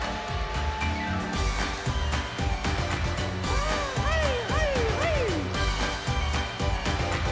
はいはいはいはい！